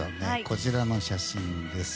こちらの写真です。